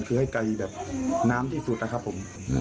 คือให้ไกลแบบน้ำที่สุดนะครับผม